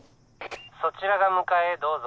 そちらが向かえどうぞ。